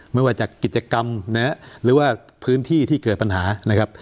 ไม่ว่าจากกิจกรรมนะฮะหรือว่าพื้นที่ที่เกิดปัญหานะครับ